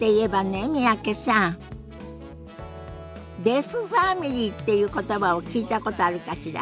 「デフファミリー」っていう言葉を聞いたことあるかしら？